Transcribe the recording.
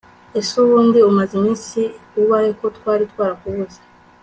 ese ubundi umaze iminsi ubahe ko twari twarakubuze